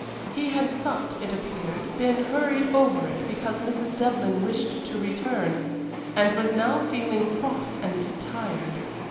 He had supped, it appeared, been hurried over it because Mrs. Devlyn wished to return, and was now feeling cross and tired.